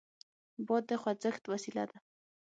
باد د خوځښت وسیله ده.